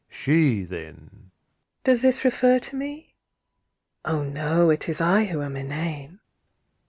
She then: "Does this refer to me?" "Oh no, it is I who am inane."